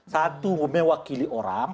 satu mewakili orang